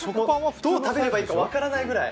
どう食べればいいか分からないぐらい。